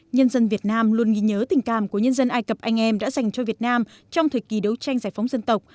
nhân dân việt nam luôn ghi nhớ tình cảm của nhân dân ai cập anh em đã dành cho việt nam trong thời kỳ đấu tranh giải phóng dân tộc